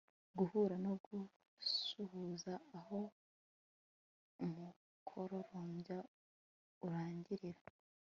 guhura no gusuhuza aho umukororombya urangirira